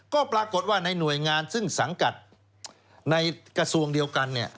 ก็ปรากฏว่าในหน่วยงานซึ่งสังกัดในกระทรวงเดียวกัน